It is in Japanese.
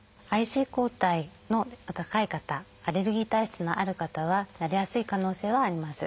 ＩｇＥ抗体の高い方アレルギー体質のある方はなりやすい可能性はあります。